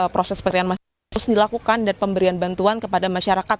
proses pemberian masih terus dilakukan dan pemberian bantuan kepada masyarakat